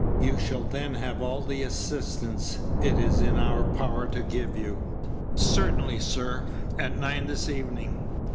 You shall then have all the assistance it is in our power to give you." "Certainly, sir. At nine this evening."